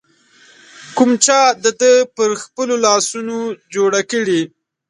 کوم چا د ده پر خپلو لاسونو جوړه کړې